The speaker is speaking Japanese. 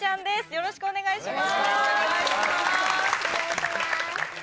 よろしくお願いします